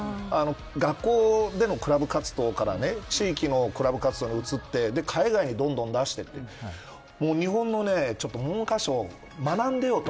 学校でのクラブ活動から地域のクラブ活動に移ってで、海外にどんどん出していって日本の文科省学んでよと。